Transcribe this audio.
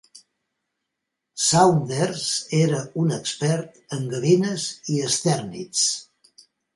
Saunders era un expert en gavines i estèrnids.